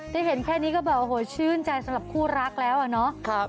ได้เห็นแค่นี้ก็แบบโฮชื่นใจสำหรับคู่รักแล้วไง